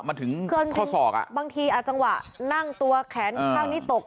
มาถึงข้อศอกอ่ะบางทีอ่ะจังหวะนั่งตัวแขนข้างนี้ตก